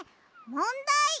もんだい！